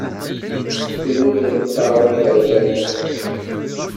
Tru-d imeṭṭawen iberkanen.